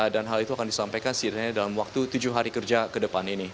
dan hal itu akan disampaikan dalam waktu tujuh hari kerja ke depan ini